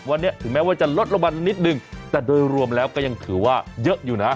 วันนี้ถึงแม้ว่าจะลดลงมานิดนึงแต่โดยรวมแล้วก็ยังถือว่าเยอะอยู่นะ